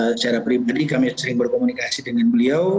secara pribadi kami sering berkomunikasi dengan beliau